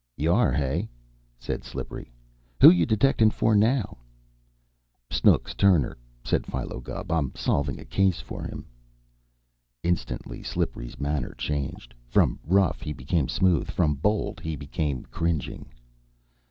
"Yar, hey?" said Slippery. "Who you detectin' for now?" "Snooks Turner," said Philo Gubb. "I'm solving a case for him." Instantly Slippery's manner changed. From rough he became smooth. From bold he became cringing.